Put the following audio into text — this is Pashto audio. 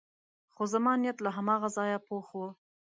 خو زما نیت له هماغه ځایه پخ و.